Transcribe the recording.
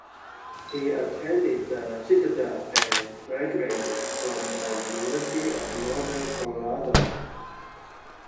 He attended The Citadel and graduated from the University of Northern Colorado.